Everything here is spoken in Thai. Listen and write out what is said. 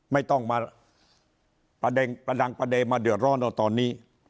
ไม่ต้องมาประดังประเด็นมาเดือดร้อนเอาตอนนี้